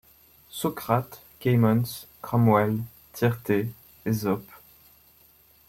Socrate, Camons, Cromwell, Tyrtée, Ésope ;